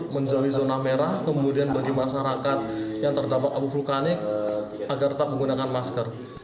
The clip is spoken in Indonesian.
menjalani zona merah kemudian bagi masyarakat yang terdapat abu vulkanik agar tetap menggunakan masker